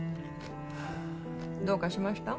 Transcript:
どうかしました？